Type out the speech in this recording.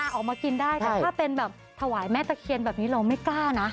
ออกมากินได้แต่ถ้าเป็นแบบถวายแม่ตะเคียนแบบนี้เราไม่กล้านะ